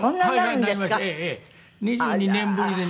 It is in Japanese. ２２年ぶりでね。